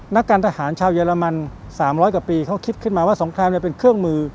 นักการทหารชาวเยอรมัน๓๐๐กว่าปีเขาคิดขึ้นมาว่าสงครามเป็นเครื่องมือ